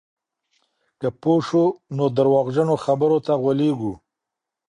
که پوه شو، نو درواغجنو خبرو ته غولېږو.